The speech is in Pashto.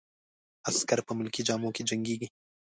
عسکر په ملکي جامو کې جنګیږي.